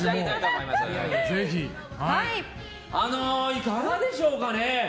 いかがでしょうかね？